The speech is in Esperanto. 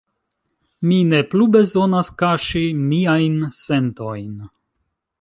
Mi ne plu bezonas kaŝi miajn sentojn.